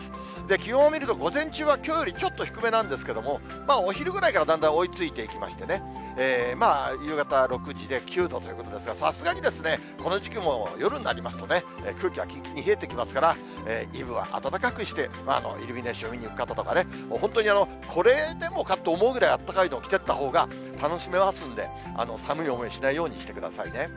気温を見ると午前中はきょうよりちょっと低めなんですけれども、お昼ぐらいからだんだん追いついていきましてね、夕方６時で９度ということですが、さすがにこの時期も夜になりますとね、空気はきんきんに冷えてきますから、イブは暖かくして、イルミネーション見に行く方とか本当にこれでもかと思うぐらいあったかいのを着てったほうが、楽しめますので、寒い思いしないようにしてくださいね。